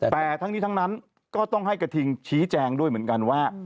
แต่ทั้งนี้ทั้งนั้นก็ต้องให้กระทิงชี้แจงด้วยเหมือนกันว่า